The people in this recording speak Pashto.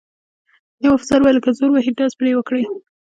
یوه افسر وویل: که زور وهي ډز پرې وکړئ.